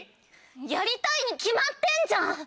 やりたいに決まってんじゃん！